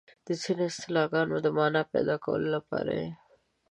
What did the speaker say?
د ځینو اصطلاحګانو د مانا پيدا کولو لپاره یې